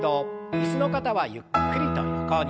椅子の方はゆっくりと横に。